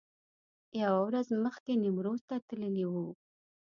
یوه ورځ مخکې نیمروز ته تللي و.